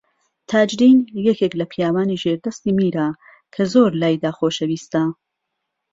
تاجدین یەکێک لە پیاوانی ژێردەستی میرە کە زۆر لایدا خۆشەویستە